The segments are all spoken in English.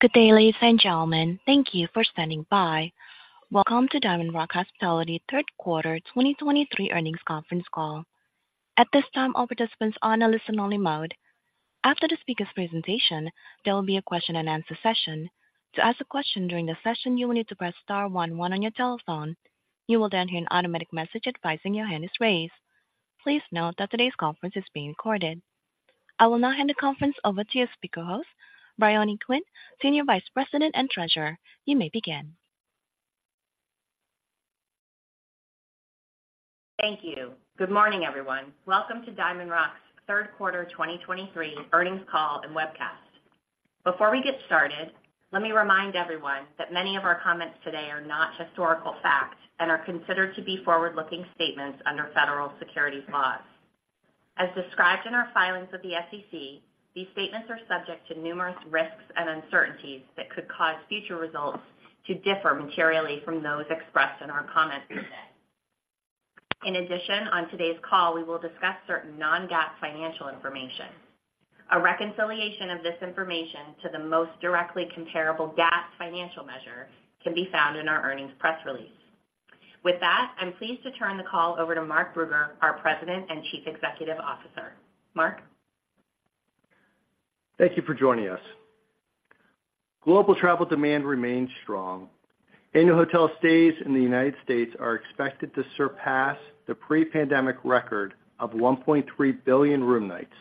Good day, ladies and gentlemen. Thank you for standing by. Welcome to DiamondRock Hospitality third quarter 2023 earnings conference call. At this time, all participants are on a listen-only mode. After the speaker's presentation, there will be a question-and-answer session. To ask a question during the session, you will need to press star one one on your telephone. You will then hear an automatic message advising your hand is raised. Please note that today's conference is being recorded. I will now hand the conference over to your speaker host, Briony Quinn, Senior Vice President and Treasurer. You may begin. Thank you. Good morning, everyone. Welcome to DiamondRock's third quarter 2023 earnings call and webcast. Before we get started, let me remind everyone that many of our comments today are not historical facts and are considered to be forward-looking statements under federal securities laws. As described in our filings with the SEC, these statements are subject to numerous risks and uncertainties that could cause future results to differ materially from those expressed in our comments today. In addition, on today's call, we will discuss certain non-GAAP financial information. A reconciliation of this information to the most directly comparable GAAP financial measure can be found in our earnings press release. With that, I'm pleased to turn the call over to Mark Brugger, our President and Chief Executive Officer. Mark? Thank you for joining us. Global travel demand remains strong. Annual hotel stays in the United States are expected to surpass the pre-pandemic record of 1.3 billion room nights.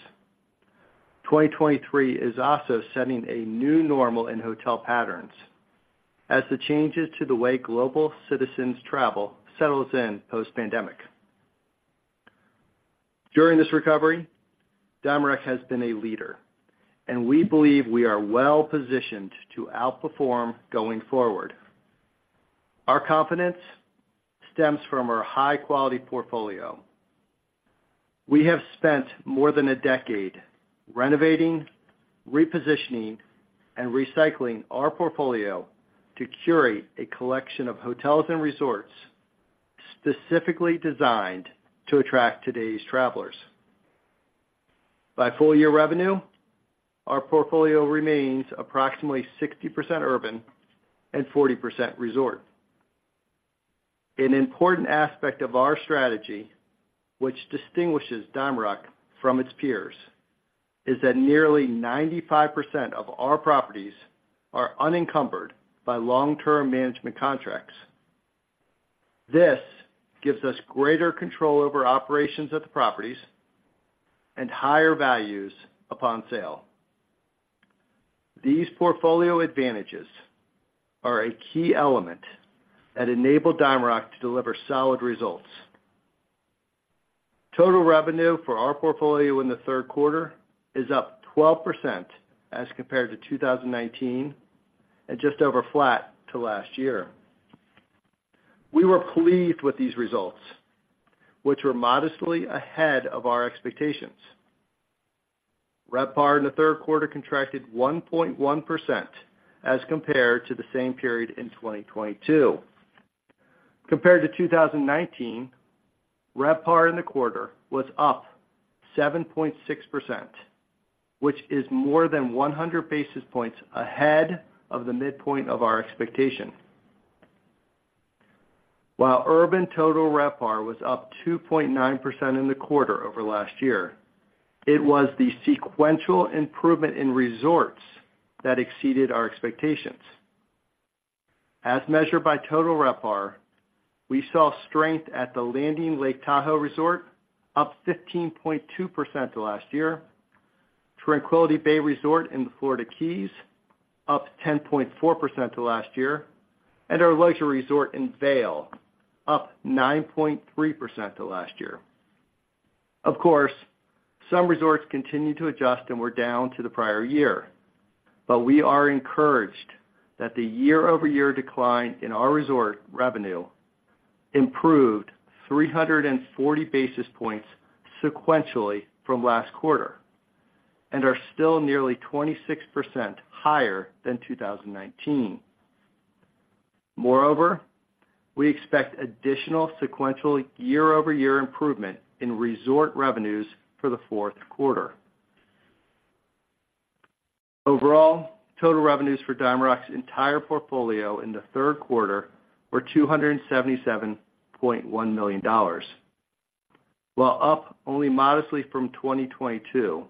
2023 is also setting a new normal in hotel patterns as the changes to the way global citizens travel settles in post-pandemic. During this recovery, DiamondRock has been a leader, and we believe we are well positioned to outperform going forward. Our confidence stems from our high-quality portfolio. We have spent more than a decade renovating, repositioning, and recycling our portfolio to curate a collection of hotels and resorts specifically designed to attract today's travelers. By full-year revenue, our portfolio remains approximately 60% urban and 40% resort. An important aspect of our strategy, which distinguishes DiamondRock from its peers, is that nearly 95% of our properties are unencumbered by long-term management contracts. This gives us greater control over operations at the properties and higher values upon sale. These portfolio advantages are a key element that enable DiamondRock to deliver solid results. Total revenue for our portfolio in the third quarter is up 12% as compared to 2019, and just over flat to last year. We were pleased with these results, which were modestly ahead of our expectations. RevPAR in the third quarter contracted 1.1% as compared to the same period in 2022. Compared to 2019, RevPAR in the quarter was up 7.6%, which is more than 100 basis points ahead of the midpoint of our expectation. While urban total RevPAR was up 2.9% in the quarter over last year, it was the sequential improvement in resorts that exceeded our expectations. As measured by total RevPAR, we saw strength at The Landing Lake Tahoe Resort, up 15.2% to last year, Tranquility Bay Resort in the Florida Keys, up 10.4% to last year, and our luxury resort in Vail, up 9.3% to last year. Of course, some resorts continued to adjust and were down to the prior year, but we are encouraged that the year-over-year decline in our resort revenue improved 340 basis points sequentially from last quarter and are still nearly 26% higher than 2019. Moreover, we expect additional sequential year-over-year improvement in resort revenues for the fourth quarter. Overall, total revenues for DiamondRock's entire portfolio in the third quarter were $277.1 million. While up only modestly from 2022,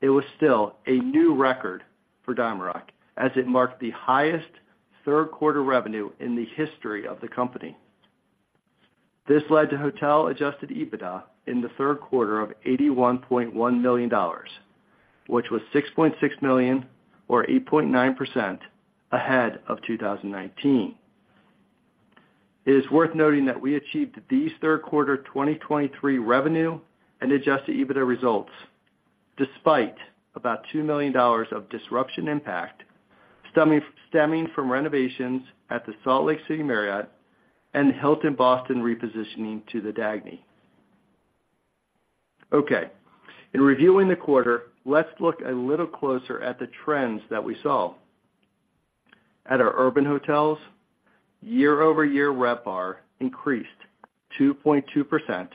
it was still a new record for DiamondRock as it marked the highest third quarter revenue in the history of the company. This led to Hotel Adjusted EBITDA in the third quarter of $81.1 million, which was $6.6 million or 8.9% ahead of 2019. It is worth noting that we achieved these third quarter 2023 revenue and Adjusted EBITDA results, despite about $2 million of disruption impact, stemming from renovations at the Salt Lake City Marriott and Hilton Boston repositioning to the Dagny. Okay, in reviewing the quarter, let's look a little closer at the trends that we saw at our urban hotels, year-over-year RevPAR increased 2.2%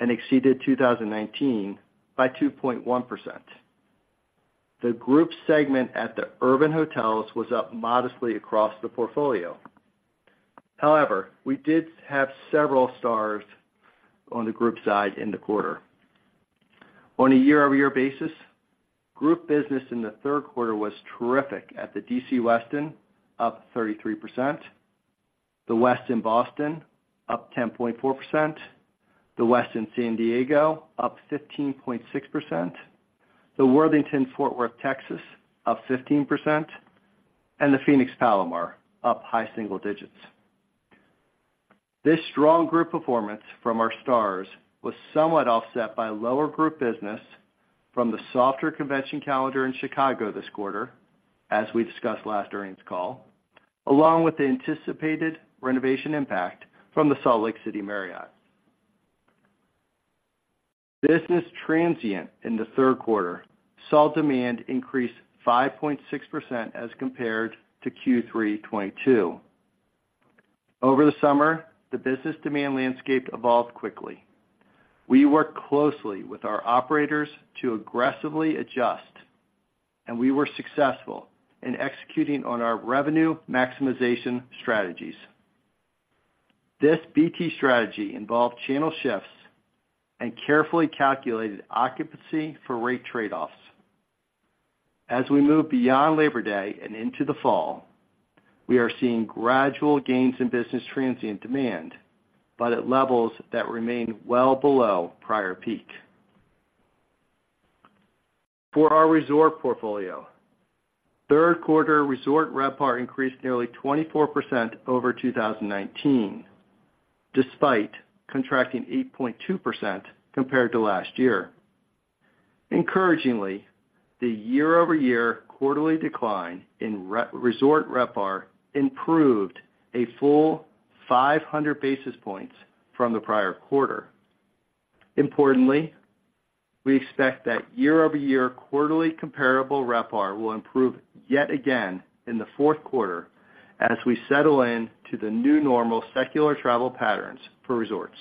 and exceeded 2019 by 2.1%. The group segment at the urban hotels was up modestly across the portfolio. However, we did have several stars on the group side in the quarter. On a year-over-year basis, group business in the third quarter was terrific at the D.C. Westin, up 33%, the Westin Boston, up 10.4%, the Westin San Diego, up 15.6%, the Worthington Fort Worth, Texas, up 15%, and the Phoenix Palomar, up high single digits. This strong group performance from our stars was somewhat offset by lower group business from the softer convention calendar in Chicago this quarter, as we discussed last earnings call, along with the anticipated renovation impact from the Salt Lake City Marriott. Business transient in the third quarter, saw demand increase 5.6% as compared to Q3 2022. Over the summer, the business demand landscape evolved quickly. We worked closely with our operators to aggressively adjust, and we were successful in executing on our revenue maximization strategies. This BT strategy involved channel shifts and carefully calculated occupancy for rate trade-offs. As we move beyond Labor Day and into the fall, we are seeing gradual gains in business transient demand, but at levels that remain well below prior peak. For our resort portfolio, third quarter resort RevPAR increased nearly 24% over 2019, despite contracting 8.2% compared to last year. Encouragingly, the year-over-year quarterly decline in resort RevPAR improved a full 500 basis points from the prior quarter. Importantly, we expect that year-over-year quarterly comparable RevPAR will improve yet again in the fourth quarter as we settle in to the new normal secular travel patterns for resorts.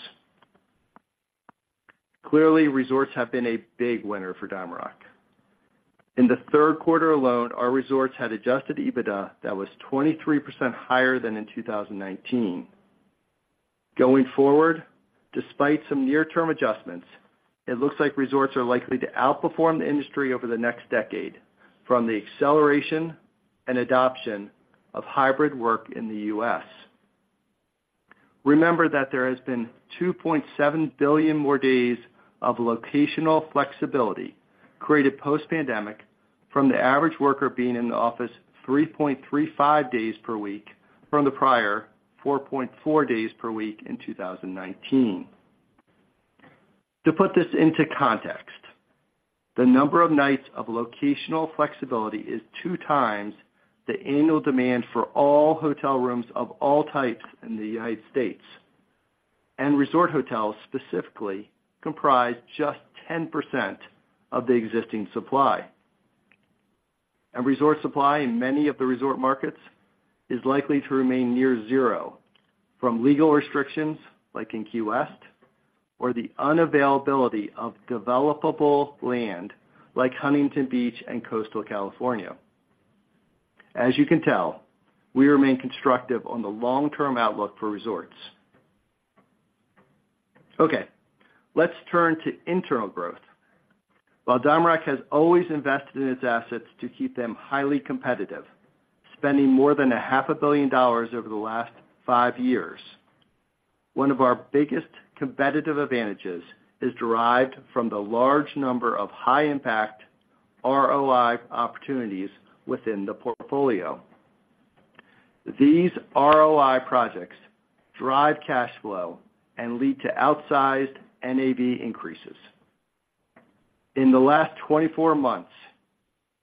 Clearly, resorts have been a big winner for DiamondRock. In the third quarter alone, our resorts had Adjusted EBITDA that was 23% higher than in 2019. Going forward, despite some near-term adjustments, it looks like resorts are likely to outperform the industry over the next decade from the acceleration and adoption of hybrid work in the U.S. Remember that there has been 2.7 billion more days of locational flexibility created post-pandemic from the average worker being in the office 3.35 days per week from the prior 4.4 days per week in 2019. To put this into context, the number of nights of locational flexibility is two times the annual demand for all hotel rooms of all types in the United States, and resort hotels specifically comprise just 10% of the existing supply. Resort supply in many of the resort markets is likely to remain near zero from legal restrictions, like in Key West, or the unavailability of developable land, like Huntington Beach and coastal California. As you can tell, we remain constructive on the long-term outlook for resorts. Okay, let's turn to internal growth. While DiamondRock has always invested in its assets to keep them highly competitive, spending more than $500 million over the last five years, one of our biggest competitive advantages is derived from the large number of high-impact ROI opportunities within the portfolio. These ROI projects drive cash flow and lead to outsized NAV increases. In the last 24 months,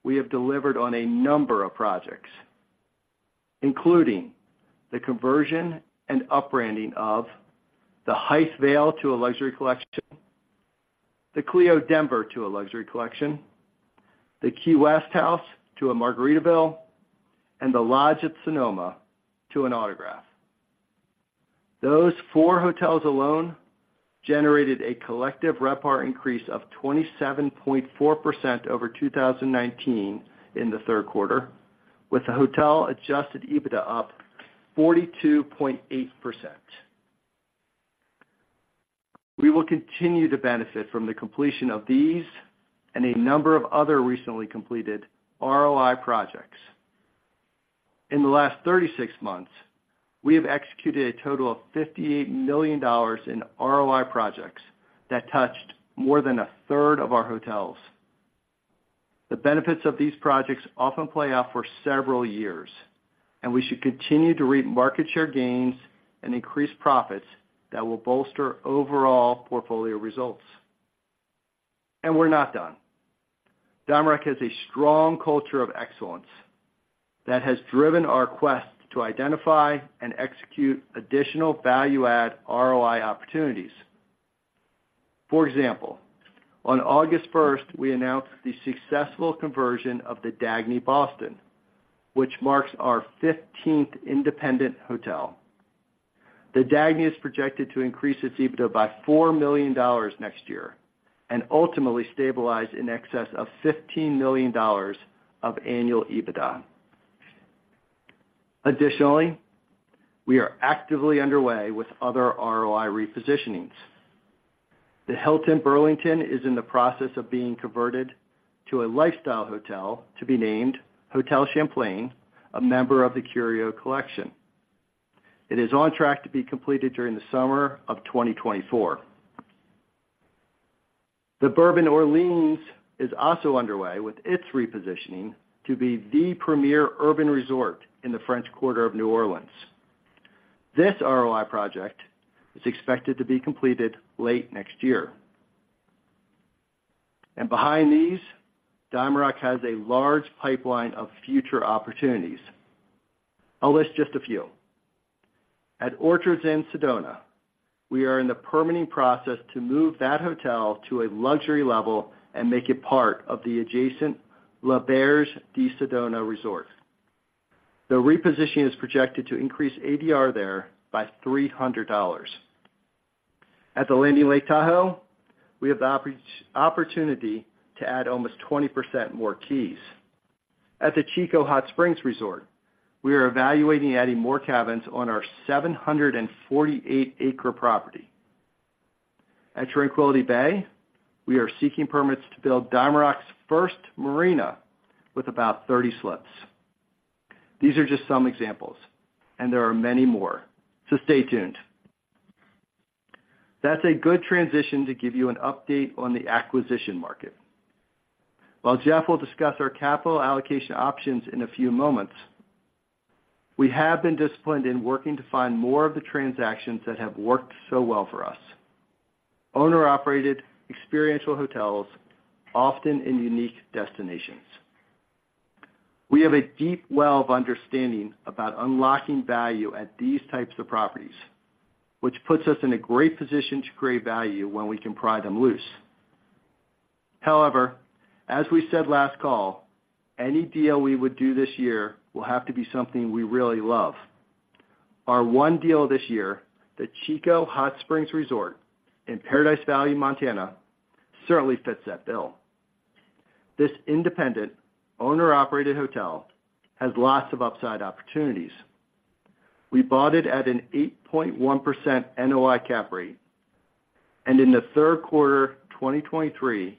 we have delivered on a number of projects, including the conversion and upbranding of The Hythe Vail to the Luxury Collection, the Clio Denver to the Luxury Collection, the Key West House to a Margaritaville, and the Lodge at Sonoma to an Autograph. Those four hotels alone generated a collective RevPAR increase of 27.4% over 2019 in the third quarter, with the Hotel Adjusted EBITDA up 42.8%. We will continue to benefit from the completion of these and a number of other recently completed ROI projects. In the last 36 months, we have executed a total of $58 million in ROI projects that touched more than a third of our hotels. The benefits of these projects often play out for several years, and we should continue to reap market share gains and increase profits that will bolster overall portfolio results. And we're not done. DiamondRock has a strong culture of excellence that has driven our quest to identify and execute additional value-add ROI opportunities.... For example, on August first, we announced the successful conversion of The Dagny Boston, which marks our fifteenth independent hotel. The Dagny is projected to increase its EBITDA by $4 million next year and ultimately stabilize in excess of $15 million of annual EBITDA. Additionally, we are actively underway with other ROI repositionings. The Hilton Burlington is in the process of being converted to a lifestyle hotel to be named Hotel Champlain, a member of the Curio Collection. It is on track to be completed during the summer of 2024. The Bourbon Orleans is also underway, with its repositioning to be the premier urban resort in the French Quarter of New Orleans. This ROI project is expected to be completed late next year. Behind these, DiamondRock has a large pipeline of future opportunities. I'll list just a few. At Orchards in Sedona, we are in the permitting process to move that hotel to a luxury level and make it part of the adjacent L'Auberge de Sedona Resort. The repositioning is projected to increase ADR there by $300. At the Landing Lake Tahoe, we have the opportunity to add almost 20% more keys. At the Chico Hot Springs Resort, we are evaluating adding more cabins on our 748-acre property. At Tranquility Bay, we are seeking permits to build DiamondRock's first marina with about 30 slips. These are just some examples, and there are many more, so stay tuned. That's a good transition to give you an update on the acquisition market. While Jeff will discuss our capital allocation options in a few moments, we have been disciplined in working to find more of the transactions that have worked so well for us. Owner-operated, experiential hotels, often in unique destinations. We have a deep well of understanding about unlocking value at these types of properties, which puts us in a great position to create value when we can pry them loose. However, as we said last call, any deal we would do this year will have to be something we really love. Our one deal this year, the Chico Hot Springs Resort in Paradise Valley, Montana, certainly fits that bill. This independent, owner-operated hotel has lots of upside opportunities. We bought it at an 8.1% NOI cap rate, and in the third quarter, 2023,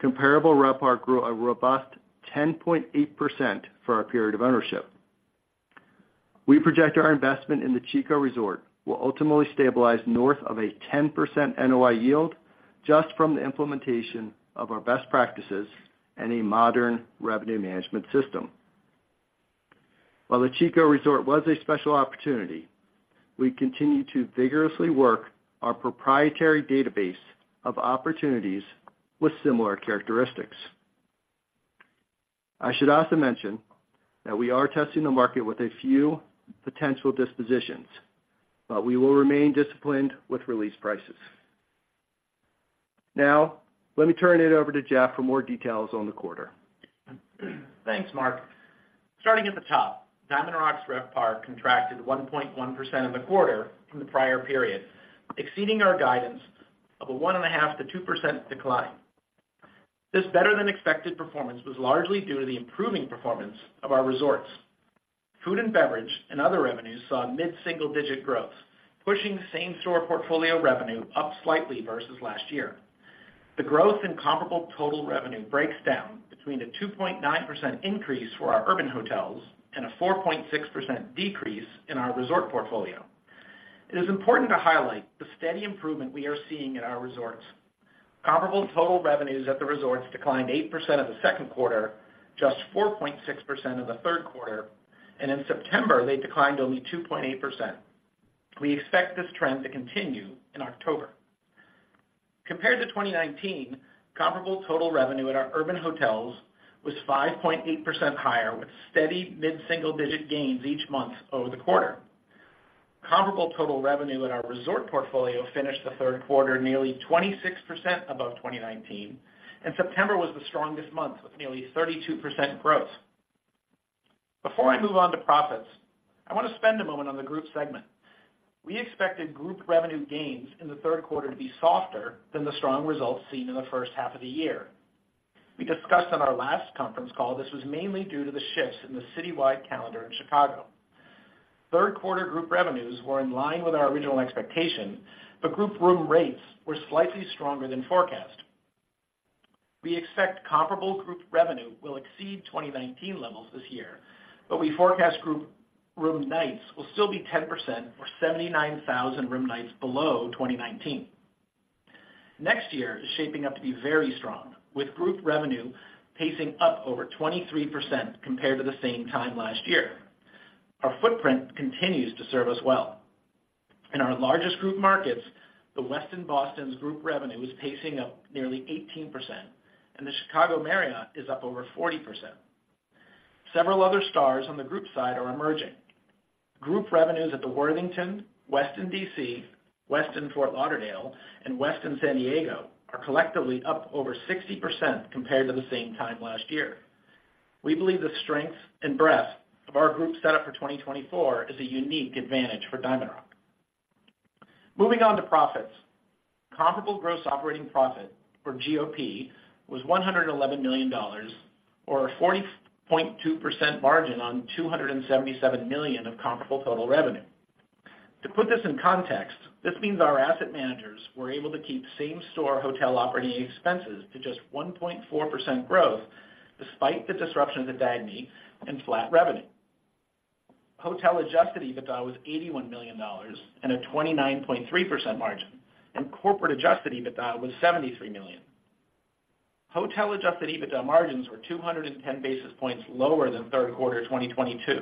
comparable RevPAR grew a robust 10.8% for our period of ownership. We project our investment in the Chico Resort will ultimately stabilize north of a 10% NOI yield, just from the implementation of our best practices and a modern revenue management system. While the Chico Resort was a special opportunity, we continue to vigorously work our proprietary database of opportunities with similar characteristics. I should also mention that we are testing the market with a few potential dispositions, but we will remain disciplined with release prices. Now, let me turn it over to Jeff for more details on the quarter. Thanks, Mark. Starting at the top, DiamondRock's RevPAR contracted 1.1% in the quarter from the prior period, exceeding our guidance of a 1.5%-2% decline. This better-than-expected performance was largely due to the improving performance of our resorts. Food and beverage and other revenues saw mid-single-digit growth, pushing same-store portfolio revenue up slightly versus last year. The growth in comparable total revenue breaks down between a 2.9% increase for our urban hotels and a 4.6% decrease in our resort portfolio. It is important to highlight the steady improvement we are seeing in our resorts. Comparable total revenues at the resorts declined 8% in the second quarter, just 4.6% in the third quarter, and in September, they declined only 2.8%. We expect this trend to continue in October. Compared to 2019, comparable total revenue at our urban hotels was 5.8% higher, with steady mid-single-digit gains each month over the quarter. Comparable total revenue at our resort portfolio finished the third quarter nearly 26% above 2019, and September was the strongest month, with nearly 32% growth. Before I move on to profits, I want to spend a moment on the group segment. We expected group revenue gains in the third quarter to be softer than the strong results seen in the first half of the year. We discussed on our last conference call, this was mainly due to the shifts in the citywide calendar in Chicago. Third quarter group revenues were in line with our original expectation, but group room rates were slightly stronger than forecast. We expect comparable group revenue will exceed 2019 levels this year, but we forecast group room nights will still be 10% or 79,000 room nights below 2019. Next year is shaping up to be very strong, with group revenue pacing up over 23% compared to the same time last year. Our footprint continues to serve us well. In our largest group markets, the Westin Boston's group revenue is pacing up nearly 18%, and the Chicago Marriott is up over 40%. Several other stars on the group side are emerging. Group revenues at the Worthington, Westin D.C., Westin Fort Lauderdale, and Westin San Diego are collectively up over 60% compared to the same time last year. We believe the strength and breadth of our group setup for 2024 is a unique advantage for DiamondRock. Moving on to profits. Comparable gross operating profit, or GOP, was $111 million, or a 40.2% margin on $277 million of comparable total revenue. To put this in context, this means our asset managers were able to keep same-store hotel operating expenses to just 1.4% growth, despite the disruption of the Dagny and flat revenue. Hotel Adjusted EBITDA was $81 million and a 29.3% margin, and Corporate Adjusted EBITDA was $73 million. Hotel Adjusted EBITDA margins were 210 basis points lower than third quarter 2022.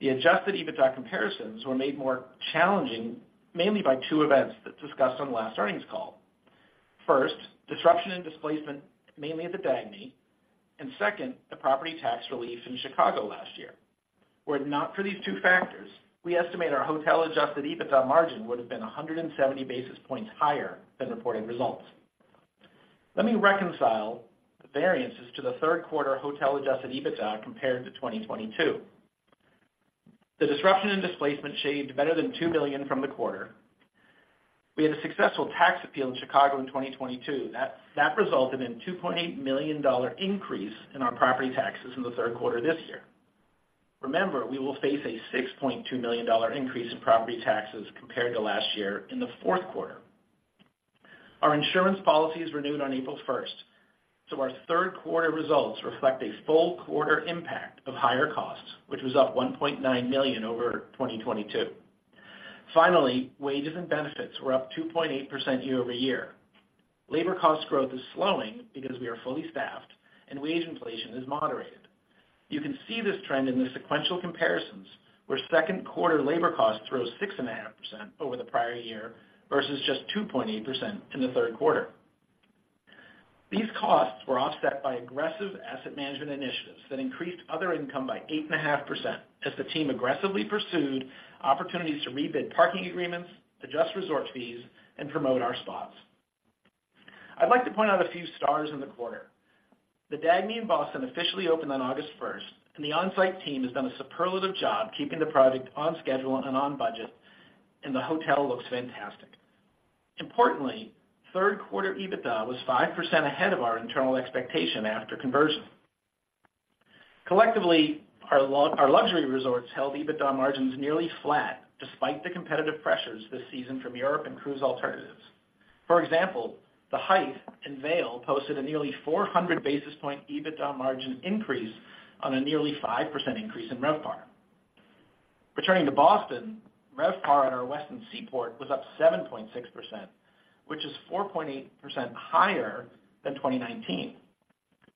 The Adjusted EBITDA comparisons were made more challenging, mainly by two events that discussed on the last earnings call. First, disruption and displacement, mainly at the Dagny, and second, the property tax relief in Chicago last year. Were it not for these two factors, we estimate our Hotel Adjusted EBITDA margin would have been 170 basis points higher than reported results. Let me reconcile the variances to the third quarter Hotel Adjusted EBITDA compared to 2022. The disruption and displacement shaved better than $2 million from the quarter. We had a successful tax appeal in Chicago in 2022. That resulted in $2.8 million dollar increase in our property taxes in the third quarter this year. Remember, we will face a $6.2 million dollar increase in property taxes compared to last year in the fourth quarter. Our insurance policy is renewed on April 1, so our third quarter results reflect a full quarter impact of higher costs, which was up $1.9 million over 2022. Finally, wages and benefits were up 2.8% year-over-year. Labor cost growth is slowing because we are fully staffed and wage inflation is moderated. You can see this trend in the sequential comparisons, where second quarter labor costs rose 6.5% over the prior year versus just 2.8% in the third quarter. These costs were offset by aggressive asset management initiatives that increased other income by 8.5%, as the team aggressively pursued opportunities to rebid parking agreements, adjust resort fees, and promote our spots. I'd like to point out a few stars in the quarter. The Dagny in Boston officially opened on August first, and the on-site team has done a superlative job keeping the project on schedule and on budget, and the hotel looks fantastic. Importantly, third quarter EBITDA was 5% ahead of our internal expectation after conversion. Collectively, our our luxury resorts held EBITDA margins nearly flat, despite the competitive pressures this season from Europe and cruise alternatives. For example, The Hythe in Vail posted a nearly 400 basis point EBITDA margin increase on a nearly 5% increase in RevPAR. Returning to Boston, RevPAR at our Westin Seaport was up 7.6%, which is 4.8% higher than 2019.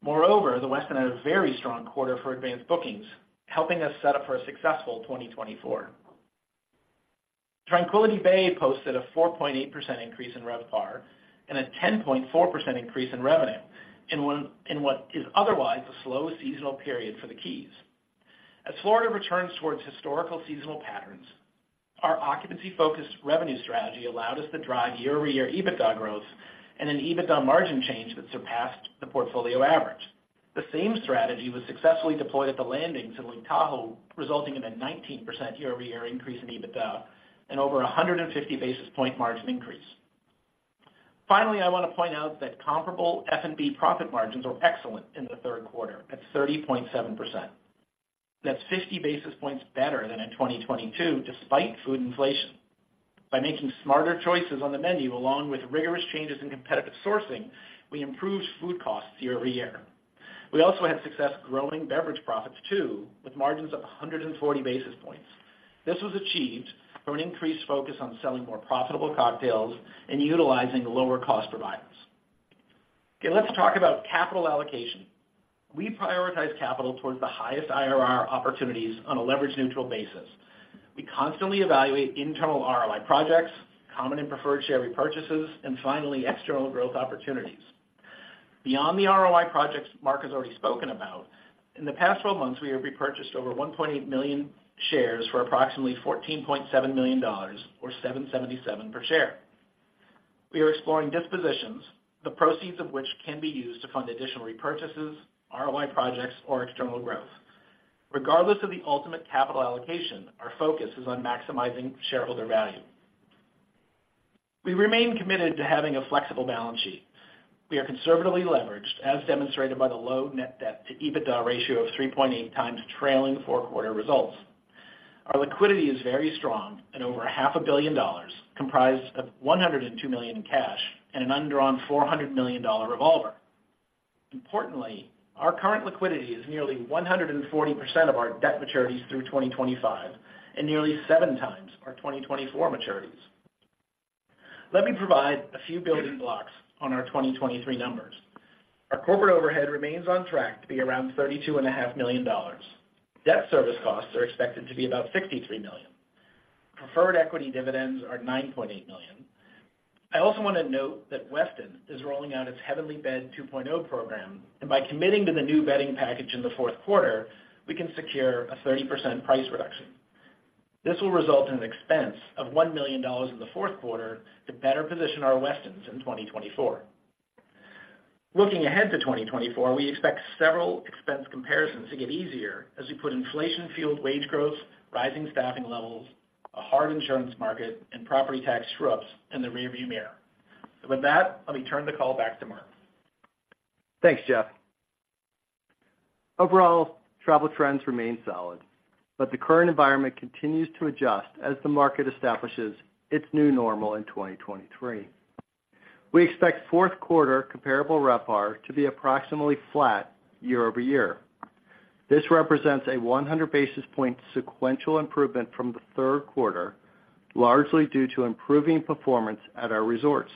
Moreover, the Westin had a very strong quarter for advanced bookings, helping us set up for a successful 2024. Tranquility Bay posted a 4.8% increase in RevPAR and a 10.4% increase in revenue, in in what is otherwise a slow seasonal period for the Keys. As Florida returns towards historical seasonal patterns, our occupancy-focused revenue strategy allowed us to drive year-over-year EBITDA growth and an EBITDA margin change that surpassed the portfolio average. The same strategy was successfully deployed at The Landing in Lake Tahoe, resulting in a 19% year-over-year increase in EBITDA and over a 150 basis point margin increase. Finally, I want to point out that comparable F&B profit margins were excellent in the third quarter at 30.7%. That's 50 basis points better than in 2022, despite food inflation. By making smarter choices on the menu, along with rigorous changes in competitive sourcing, we improved food costs year over year. We also had success growing beverage profits, too, with margins up 140 basis points. This was achieved through an increased focus on selling more profitable cocktails and utilizing lower-cost providers. Okay, let's talk about capital allocation. We prioritize capital towards the highest IRR opportunities on a leverage-neutral basis. We constantly evaluate internal ROI projects, common and preferred share repurchases, and finally, external growth opportunities. Beyond the ROI projects Mark has already spoken about, in the past 12 months, we have repurchased over 1.8 million shares for approximately $14.7 million, or $777 per share. We are exploring dispositions, the proceeds of which can be used to fund additional repurchases, ROI projects, or external growth. Regardless of the ultimate capital allocation, our focus is on maximizing shareholder value. We remain committed to having a flexible balance sheet. We are conservatively leveraged, as demonstrated by the low net debt to EBITDA ratio of 3.8x trailing four-quarter results. Our liquidity is very strong and over $500 million, comprised of $102 million in cash and an undrawn $400 million revolver. Importantly, our current liquidity is nearly 140% of our debt maturities through 2025 and nearly seven times our 2024 maturities. Let me provide a few building blocks on our 2023 numbers. Our corporate overhead remains on track to be around $32.5 million. Debt service costs are expected to be about $63 million. Preferred equity dividends are $9.8 million. I also want to note that Westin is rolling out its Heavenly Bed 2.0 program, and by committing to the new bedding package in the fourth quarter, we can secure a 30% price reduction. This will result in an expense of $1 million in the fourth quarter to better position our Westins in 2024. Looking ahead to 2024, we expect several expense comparisons to get easier as we put inflation-fueled wage growth, rising staffing levels, a hard insurance market, and property tax surges in the rearview mirror. So with that, let me turn the call back to Mark. Thanks, Jeff. Overall, travel trends remain solid, but the current environment continues to adjust as the market establishes its new normal in 2023. We expect fourth quarter comparable RevPAR to be approximately flat year-over-year. This represents a 100 basis point sequential improvement from the third quarter, largely due to improving performance at our resorts.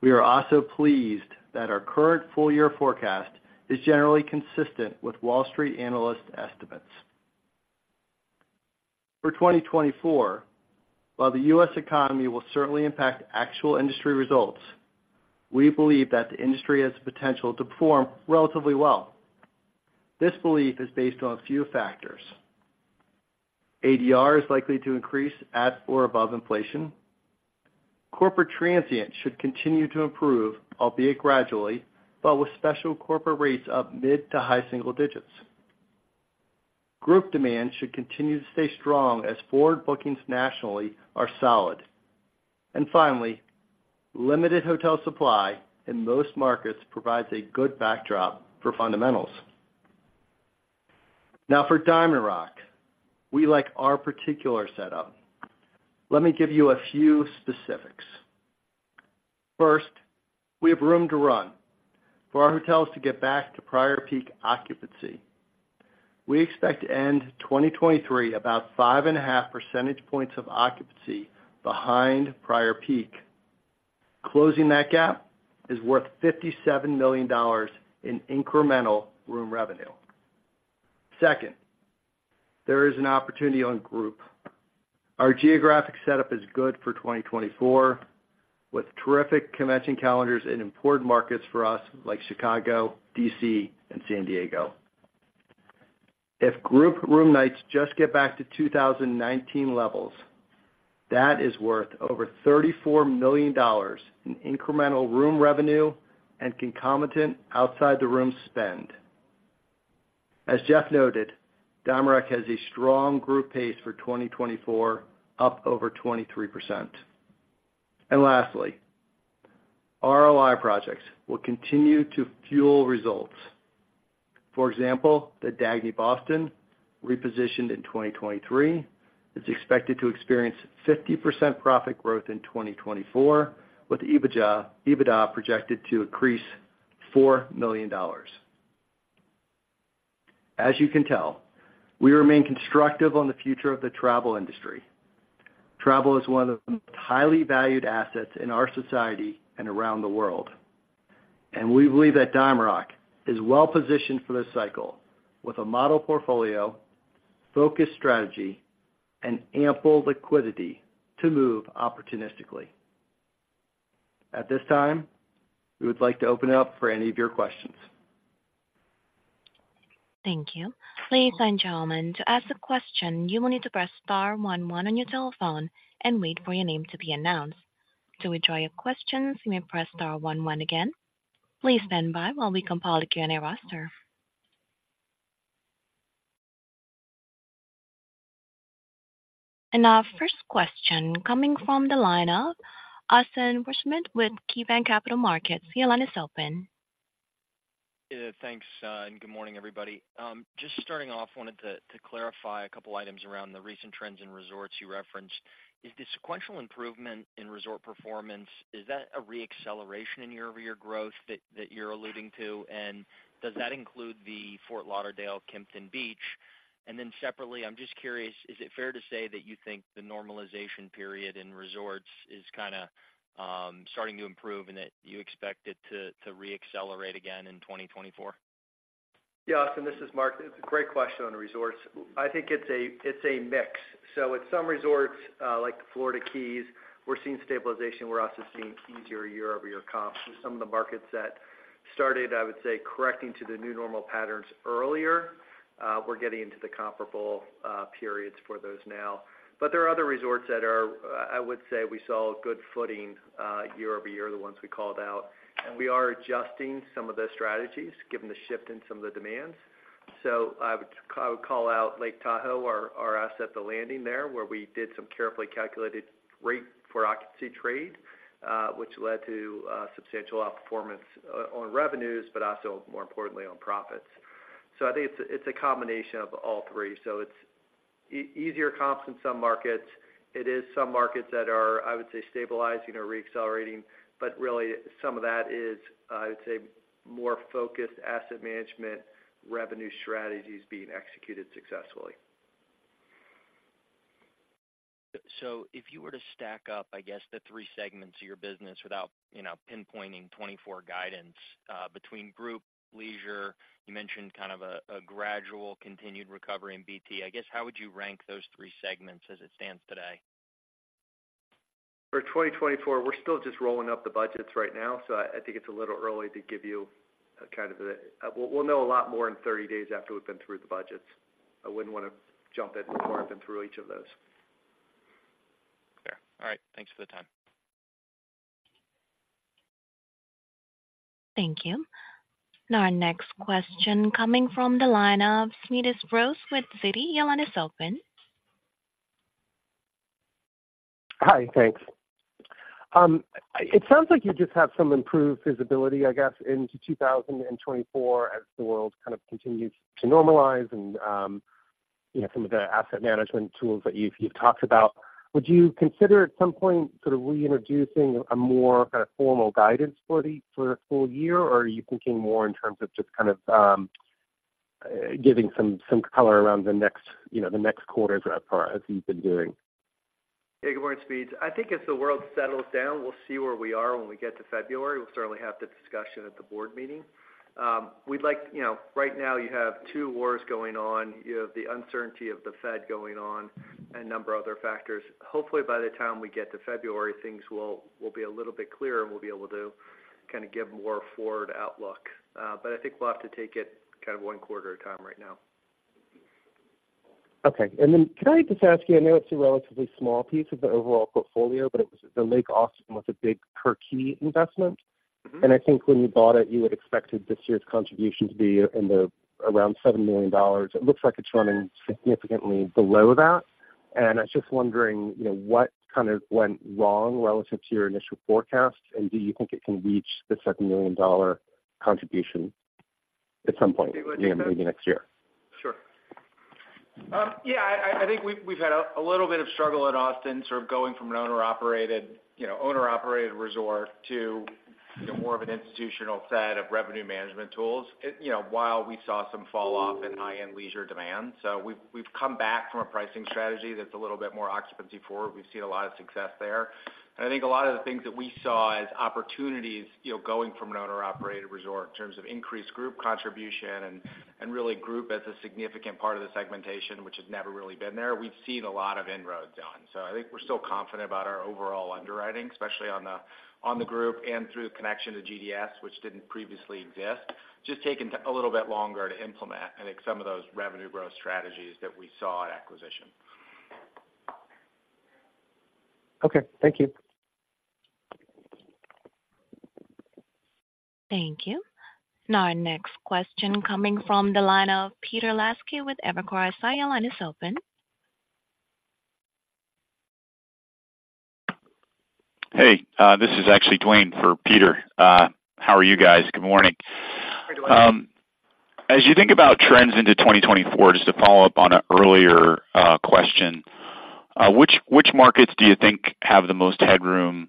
We are also pleased that our current full year forecast is generally consistent with Wall Street analyst estimates. For 2024, while the U.S. economy will certainly impact actual industry results, we believe that the industry has the potential to perform relatively well. This belief is based on a few factors. ADR is likely to increase at or above inflation. Corporate transient should continue to improve, albeit gradually, but with special corporate rates up mid- to high-single digits. Group demand should continue to stay strong as forward bookings nationally are solid. Finally, limited hotel supply in most markets provides a good backdrop for fundamentals. Now, for DiamondRock, we like our particular setup. Let me give you a few specifics. First, we have room to run for our hotels to get back to prior peak occupancy. We expect to end 2023 about 5.5 percentage points of occupancy behind prior peak. Closing that gap is worth $57 million in incremental room revenue. Second, there is an opportunity on group. Our geographic setup is good for 2024, with terrific convention calendars in important markets for us, like Chicago, D.C., and San Diego. If group room nights just get back to 2019 levels, that is worth over $34 million in incremental room revenue and concomitant outside the room spend. As Jeff noted, DiamondRock has a strong group pace for 2024, up over 23%. Lastly, ROI projects will continue to fuel results. For example, the Dagny Boston, repositioned in 2023, is expected to experience 50% profit growth in 2024, with EBITDA projected to increase $4 million. As you can tell, we remain constructive on the future of the travel industry. Travel is one of the most highly valued assets in our society and around the world, and we believe that DiamondRock is well positioned for this cycle with a model portfolio, focused strategy, and ample liquidity to move opportunistically. At this time, we would like to open it up for any of your questions. Thank you. Ladies and gentlemen, to ask a question, you will need to press star one one on your telephone and wait for your name to be announced. To withdraw your questions, you may press star one one again. Please stand by while we compile the Q&A roster. Our first question coming from the line of Austin Wurschmidt with KeyBanc Capital Markets. Your line is open. Thanks, and good morning, everybody. Just starting off, wanted to clarify a couple items around the recent trends in resorts you referenced. Is the sequential improvement in resort performance a re-acceleration in year-over-year growth that you're alluding to? And does that include the Fort Lauderdale Kimpton Beach? And then separately, I'm just curious, is it fair to say that you think the normalization period in resorts is kind of starting to improve and that you expect it to re-accelerate again in 2024? Yeah, Austin, this is Mark. Great question on the resorts. I think it's a mix. So at some resorts, like the Florida Keys, we're seeing stabilization. We're also seeing easier year-over-year comps. In some of the markets that started, I would say, correcting to the new normal patterns earlier, we're getting into the comparable periods for those now. But there are other resorts that are, I would say we saw a good footing year over year, the ones we called out, and we are adjusting some of the strategies given the shift in some of the demands. So I would call out Lake Tahoe, our asset, The Landing there, where we did some carefully calculated rate for occupancy trade, which led to substantial outperformance on revenues, but also, more importantly, on profits. So I think it's a combination of all three. So it's easier comps in some markets. It is some markets that are, I would say, stabilizing or re-accelerating, but really some of that is, I would say, more focused asset management revenue strategies being executed successfully.... So if you were to stack up, I guess, the three segments of your business without, you know, pinpointing 2024 guidance, between group, leisure, you mentioned kind of a gradual continued recovery in BT. I guess, how would you rank those three segments as it stands today? For 2024, we're still just rolling up the budgets right now, so I think it's a little early to give you a kind of. We'll know a lot more in 30 days after we've been through the budgets. I wouldn't want to jump in before I've been through each of those. Fair. All right. Thanks for the time. Thank you. Now our next question coming from the line of Smedes Rose with Citi. Your line is open. Hi, thanks. It sounds like you just have some improved visibility, I guess, into 2024 as the world kind of continues to normalize and, you know, some of the asset management tools that you've talked about. Would you consider at some point, sort of reintroducing a more kind of formal guidance for the full year? Or are you thinking more in terms of just kind of giving some color around the next, you know, the next quarters as far as you've been doing? Hey, good morning, Smead. I think as the world settles down, we'll see where we are when we get to February. We'll certainly have the discussion at the board meeting. We'd like. You know, right now you have two wars going on, you have the uncertainty of the Fed going on and a number of other factors. Hopefully, by the time we get to February, things will be a little bit clearer, and we'll be able to kind of give more forward outlook. But I think we'll have to take it kind of one quarter at a time right now. Okay. And then, can I just ask you, I know it's a relatively small piece of the overall portfolio, but the Lake Austin was a big per key investment. Mm-hmm. And I think when you bought it, you had expected this year's contribution to be around $7 million. It looks like it's running significantly below that. And I was just wondering, you know, what kind of went wrong relative to your initial forecast, and do you think it can reach the $7 million contribution at some point, maybe next year? Sure. Yeah, I think we've had a little bit of struggle at Austin, sort of going from an owner-operated, you know, owner-operated resort to, you know, more of an institutional set of revenue management tools, you know, while we saw some falloff in high-end leisure demand. So we've come back from a pricing strategy that's a little bit more occupancy forward. We've seen a lot of success there. And I think a lot of the things that we saw as opportunities, you know, going from an owner-operated resort in terms of increased group contribution and really group as a significant part of the segmentation, which has never really been there. We've seen a lot of inroads on. So I think we're still confident about our overall underwriting, especially on the group and through connection to GDS, which didn't previously exist. Just taking a little bit longer to implement, I think, some of those revenue growth strategies that we saw at acquisition. Okay, thank you. Thank you. Now our next question coming from the line of Peter Lasky with Evercore ISI. Your line is open. Hey, this is actually Duane for Peter. How are you guys? Good morning. Hi, Duane. As you think about trends into 2024, just to follow up on an earlier question, which markets do you think have the most headroom?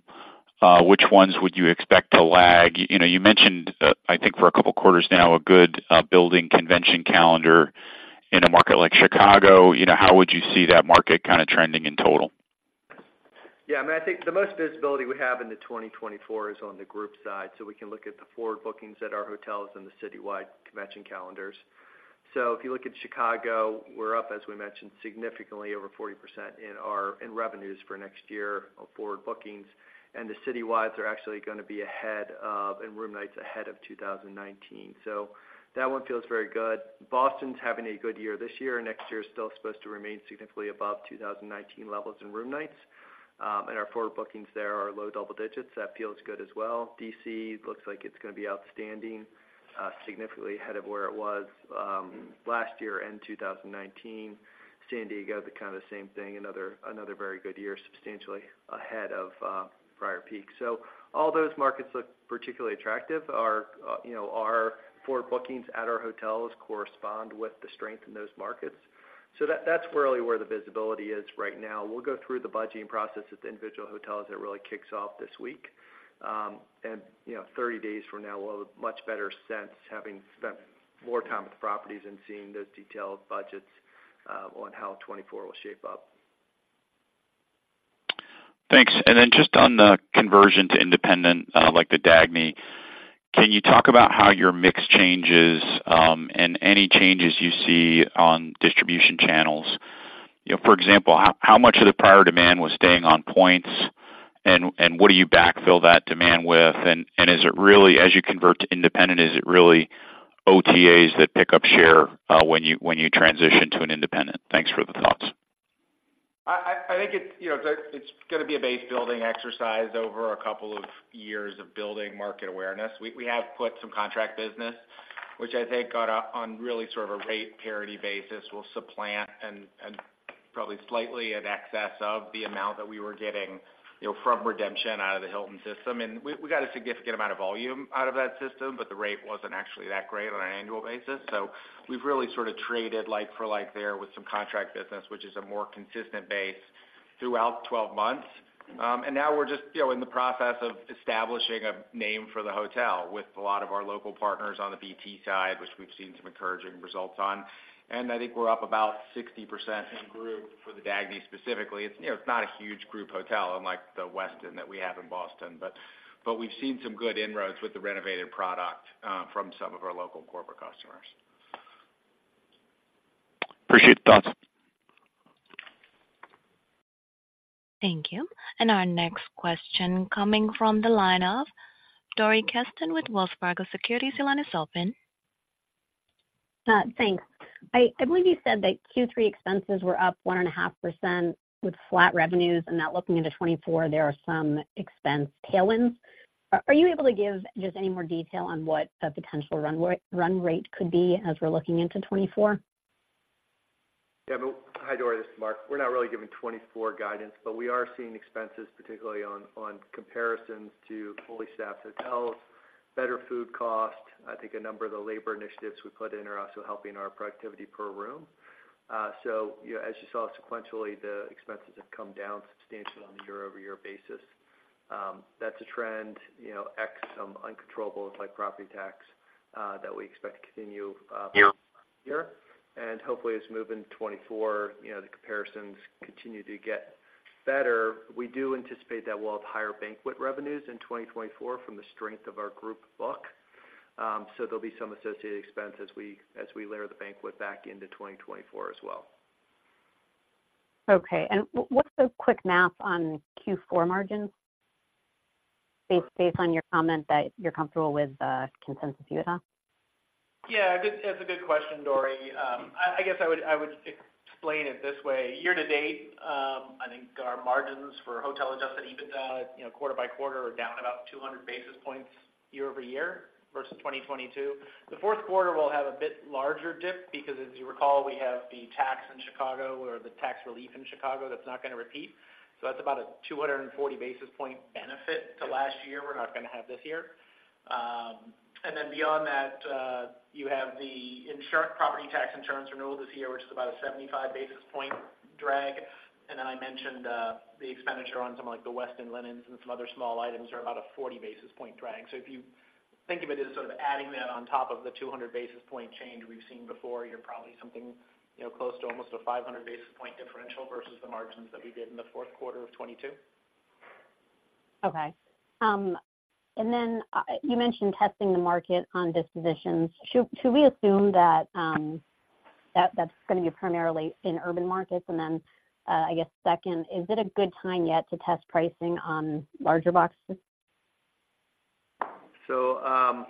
Which ones would you expect to lag? You know, you mentioned, I think for a couple of quarters now, a good building convention calendar in a market like Chicago. You know, how would you see that market kind of trending in total? Yeah, I mean, I think the most visibility we have in 2024 is on the group side. So we can look at the forward bookings at our hotels and the citywide convention calendars. So if you look at Chicago, we're up, as we mentioned, significantly over 40% in our revenues for next year of forward bookings, and the citywide are actually going to be ahead of, and room nights ahead of 2019. So that one feels very good. Boston's having a good year this year, and next year is still supposed to remain significantly above 2019 levels in room nights. And our forward bookings there are low double digits. That feels good as well. D.C. looks like it's going to be outstanding, significantly ahead of where it was, last year in 2019. San Diego, kind of the same thing, another very good year, substantially ahead of prior peak. So all those markets look particularly attractive. Our, you know, our forward bookings at our hotels correspond with the strength in those markets. So that's really where the visibility is right now. We'll go through the budgeting process at the individual hotels that really kicks off this week. And, you know, 30 days from now, we'll have a much better sense, having spent more time with the properties and seeing those detailed budgets, on how 2024 will shape up. Thanks. And then just on the conversion to independent, like the Dagny, can you talk about how your mix changes, and any changes you see on distribution channels? You know, for example, how, how much of the prior demand was staying on points, and, and what do you backfill that demand with? And, and is it really, as you convert to independent, is it really OTAs that pick up share, when you, when you transition to an independent? Thanks for the thoughts. I think it's, you know, the, it's going to be a base building exercise over a couple of years of building market awareness. We have put some contract business, which I think got up on really sort of a rate parity basis, will supplant and probably slightly in excess of the amount that we were getting, you know, from redemption out of the Hilton system. And we got a significant amount of volume out of that system, but the rate wasn't actually that great on an annual basis. So we've really sort of traded like for like there with some contract business, which is a more consistent base throughout 12 months. And now we're just, you know, in the process of establishing a name for the hotel with a lot of our local partners on the BT side, which we've seen some encouraging results on. And I think we're up about 60% in group for the Dagny specifically. It's, you know, it's not a huge group hotel, unlike the Westin that we have in Boston, but, but we've seen some good inroads with the renovated product, from some of our local corporate customers. Appreciate the thoughts. Thank you. Our next question coming from the line of Dori Kesten with Wells Fargo Securities. Your line is open. Thanks. I believe you said that Q3 expenses were up 1.5% with flat revenues, and that looking into 2024, there are some expense tailwinds. Are you able to give just any more detail on what a potential run rate could be as we're looking into 2024? Yeah, well, hi, Dori, this is Mark. We're not really giving 2024 guidance, but we are seeing expenses, particularly on comparisons to fully staffed hotels, better food costs. I think a number of the labor initiatives we put in are also helping our productivity per room. So, you know, as you saw sequentially, the expenses have come down substantially on a year-over-year basis. That's a trend, you know, ex some uncontrollables, like property tax, that we expect to continue. Yeah. year. And hopefully, as we move into 2024, you know, the comparisons continue to get better. We do anticipate that we'll have higher banquet revenues in 2024 from the strength of our group book. So there'll be some associated expense as we, as we layer the banquet back into 2024 as well. Okay. And what's the quick math on Q4 margins, based on your comment that you're comfortable with the consensus EBITDA? Yeah, good. That's a good question, Dori. I guess I would explain it this way. Year to date, I think our margins for Hotel Adjusted EBITDA, you know, quarter by quarter, are down about 200 basis points year-over-year versus 2022. The fourth quarter will have a bit larger dip because, as you recall, we have the tax in Chicago or the tax relief in Chicago, that's not going to repeat. So that's about a 240 basis point benefit to last year, we're not going to have this year. And then beyond that, you have the insurance, property tax insurance renewal this year, which is about a 75 basis point drag. And then I mentioned the expenditure on something like the Westin linens and some other small items are about a 40 basis point drag. So if you think of it as sort of adding that on top of the 200 basis point change we've seen before, you're probably something, you know, close to almost a 500 basis point differential versus the margins that we did in the fourth quarter of 2022. Okay. And then you mentioned testing the market on dispositions. Should we assume that that's going to be primarily in urban markets? And then, I guess second, is it a good time yet to test pricing on larger boxes? So,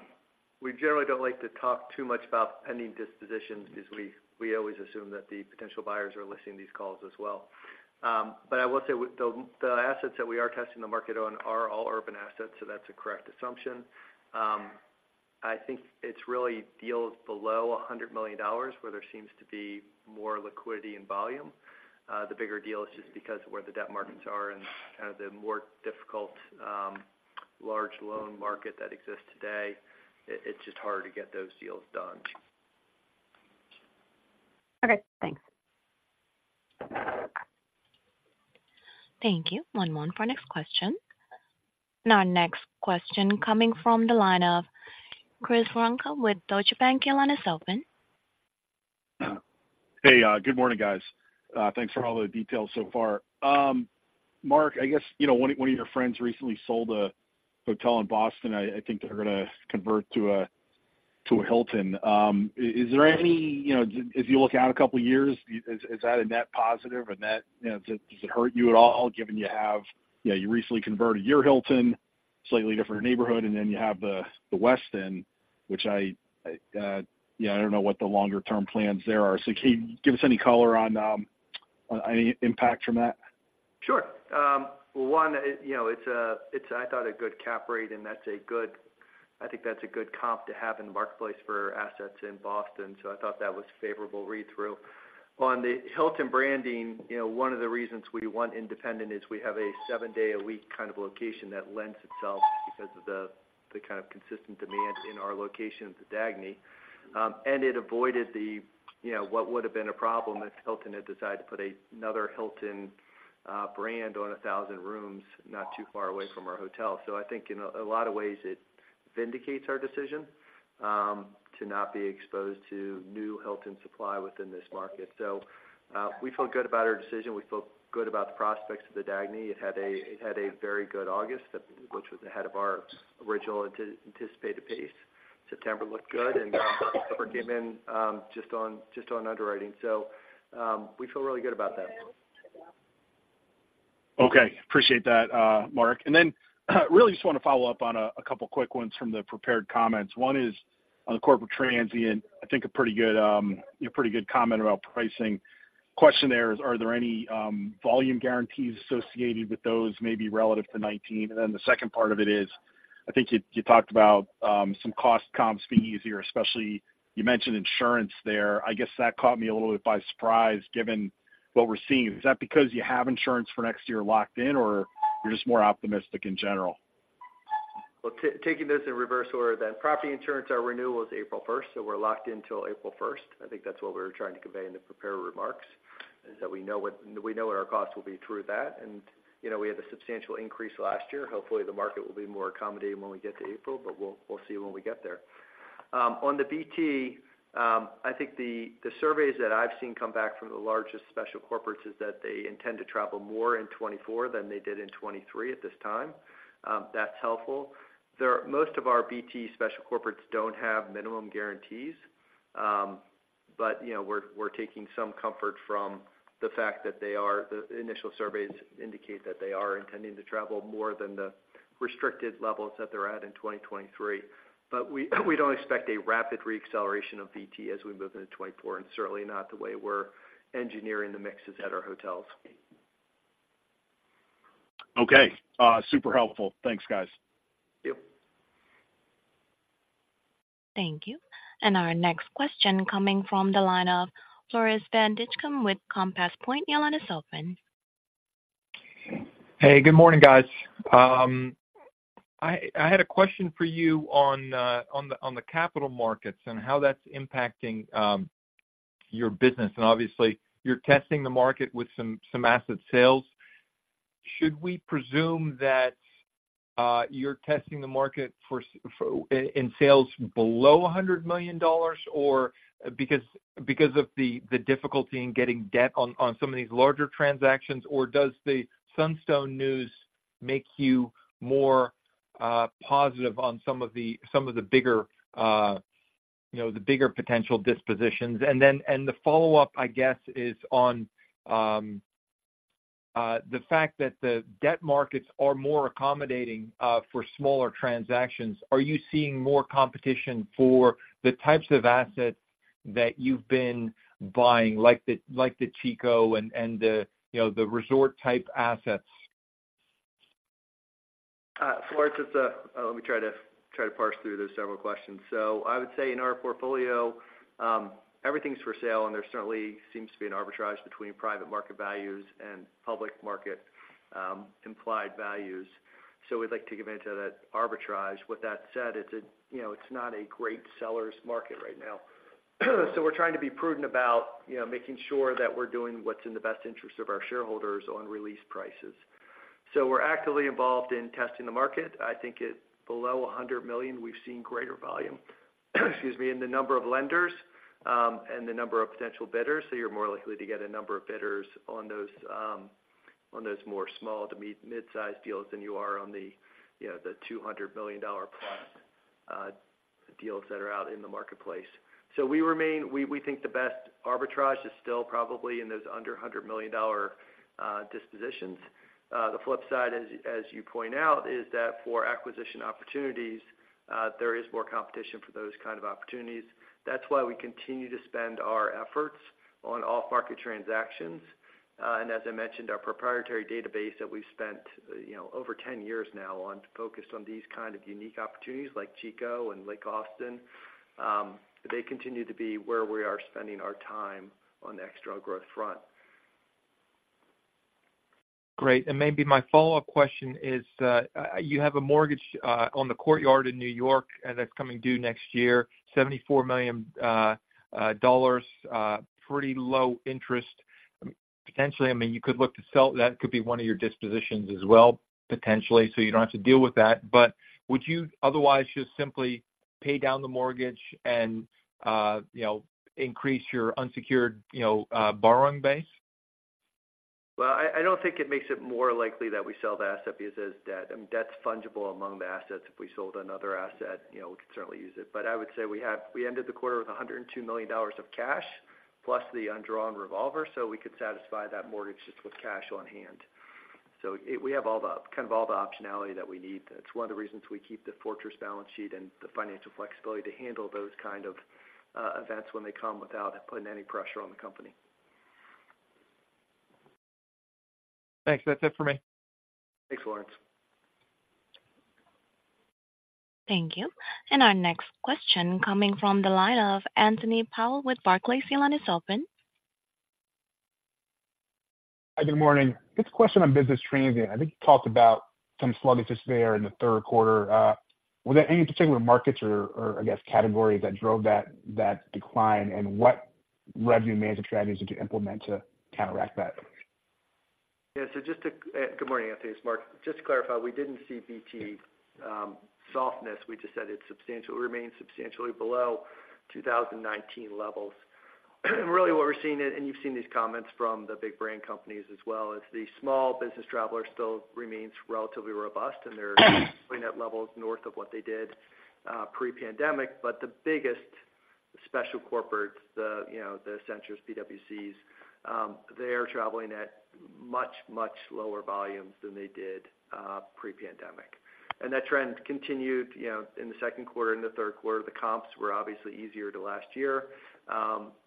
we generally don't like to talk too much about pending dispositions because we always assume that the potential buyers are listening to these calls as well. But I will say with the assets that we are testing the market on are all urban assets, so that's a correct assumption. I think it's really deals below $100 million, where there seems to be more liquidity and volume. The bigger deal is just because of where the debt markets are and kind of the more difficult large loan market that exists today. It's just harder to get those deals done. Okay, thanks. Thank you. One moment for next question. Our next question coming from the line of Chris Woronka with Deutsche Bank. Your line is open. Hey, good morning, guys. Thanks for all the details so far. Mark, I guess, you know, one of your friends recently sold a hotel in Boston. I think they're gonna convert to a Hilton. Is there any, you know, as you look out a couple of years, is that a net positive? And that, you know, does it hurt you at all, given you have, you know, you recently converted your Hilton, slightly different neighborhood, and then you have the Westin, which I, you know, I don't know what the longer-term plans there are. So can you give us any color on any impact from that? Sure. One, you know, I thought a good cap rate, and that's a good. I think that's a good comp to have in the marketplace for assets in Boston, so I thought that was favorable read-through. On the Hilton branding, you know, one of the reasons we want independent is we have a seven-day-a-week kind of location that lends itself because of the kind of consistent demand in our location at the Dagny. And it avoided the, you know, what would have been a problem if Hilton had decided to put another Hilton brand on 1,000 rooms not too far away from our hotel. So I think in a lot of ways, it vindicates our decision to not be exposed to new Hilton supply within this market. So, we feel good about our decision. We feel good about the prospects of the Dagny. It had a, it had a very good August, which was ahead of our original anticipated pace. September looked good, and October came in, just on, just on underwriting. So, we feel really good about that. Okay. Appreciate that, Mark. And then, really just want to follow up on a couple quick ones from the prepared comments. One is on the corporate transient. I think a pretty good comment about pricing. Question there is, are there any volume guarantees associated with those, maybe relative to 2019? And then the second part of it is, I think you talked about some cost comps being easier, especially you mentioned insurance there. I guess that caught me a little bit by surprise, given what we're seeing. Is that because you have insurance for next year locked in, or you're just more optimistic in general?... Well, taking this in reverse order then, property insurance, our renewal is April first, so we're locked in till April first. I think that's what we were trying to convey in the prepared remarks, is that we know what our costs will be through that, and, you know, we had a substantial increase last year. Hopefully, the market will be more accommodating when we get to April, but we'll see when we get there. On the BT, I think the surveys that I've seen come back from the largest special corporates is that they intend to travel more in 2024 than they did in 2023 at this time. That's helpful. Most of our BT special corporates don't have minimum guarantees, but, you know, we're taking some comfort from the fact that they are, the initial surveys indicate that they are intending to travel more than the restricted levels that they're at in 2023. But we don't expect a rapid reacceleration of BT as we move into 2024, and certainly not the way we're engineering the mixes at our hotels. Okay, super helpful. Thanks, guys. Yep. Thank you. Our next question coming from the line of Floris van Dijkum with Compass Point. Your line is open. Hey, good morning, guys. I had a question for you on the capital markets and how that's impacting your business. And obviously, you're testing the market with some asset sales. Should we presume that you're testing the market for sales below $100 million, or because of the difficulty in getting debt on some of these larger transactions? Or does the Sunstone news make you more positive on some of the bigger, you know, the bigger potential dispositions? And the follow-up, I guess, is on the fact that the debt markets are more accommodating for smaller transactions. Are you seeing more competition for the types of assets that you've been buying, like the Chico and, you know, the resort-type assets? Floris, it's... Let me try to parse through those several questions. So I would say in our portfolio, everything's for sale, and there certainly seems to be an arbitrage between private market values and public market, implied values. So we'd like to give into that arbitrage. With that said, it's a, you know, it's not a great seller's market right now. So we're trying to be prudent about, you know, making sure that we're doing what's in the best interest of our shareholders on release prices. So we're actively involved in testing the market. I think at below $100 million, we've seen greater volume, excuse me, in the number of lenders, and the number of potential bidders. So you're more likely to get a number of bidders on those, on those more small to mid-sized deals than you are on the, you know, the $200 million plus deals that are out in the marketplace. So we remain. We think the best arbitrage is still probably in those under $100 million dispositions. The flip side, as you point out, is that for acquisition opportunities, there is more competition for those kind of opportunities. That's why we continue to spend our efforts on off-market transactions. And as I mentioned, our proprietary database that we've spent, you know, over 10 years now on, focused on these kind of unique opportunities like Chico and Lake Austin, they continue to be where we are spending our time on the external growth front. Great. Maybe my follow-up question is, you have a mortgage on the Courtyard in New York, and that's coming due next year, $74 million, pretty low interest. Potentially, I mean, you could look to sell. That could be one of your dispositions as well, potentially, so you don't have to deal with that. But would you otherwise just simply pay down the mortgage and, you know, increase your unsecured, you know, borrowing base? Well, I don't think it makes it more likely that we sell the asset because there's debt. I mean, debt's fungible among the assets. If we sold another asset, you know, we could certainly use it. But I would say we ended the quarter with $102 million of cash, plus the undrawn revolver, so we could satisfy that mortgage just with cash on hand. So we have all the, kind of all the optionality that we need. That's one of the reasons we keep the fortress balance sheet and the financial flexibility to handle those kind of events when they come without putting any pressure on the company. Thanks. That's it for me. Thanks, Lawrence. Thank you. Our next question coming from the line of Anthony Powell with Barclays. Your line is open. Hi, good morning. Just a question on business trends again. I think you talked about some sluggishness there in the third quarter. Were there any particular markets or, I guess, categories that drove that decline, and what revenue management strategies did you implement to counteract that? Yeah, so just to good morning, Anthony, it's Mark. Just to clarify, we didn't see BT softness. We just said it remains substantially below 2019 levels. And really, what we're seeing, and you've seen these comments from the big brand companies as well, is the small business traveler still remains relatively robust, and they're at levels north of what they did pre-pandemic. But the biggest special corporates, the, you know, the Accentures, PWCs, they are traveling at much, much lower volumes than they did pre-pandemic. And that trend continued, you know, in the second quarter and the third quarter. The comps were obviously easier to last year,